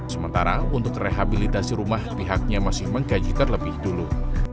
sementara untuk rehabilitasi rumah pihaknya masih menggajikan lebih dulu